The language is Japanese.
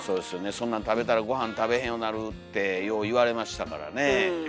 そんなん食べたらごはん食べへんようなるってよう言われましたからねえ。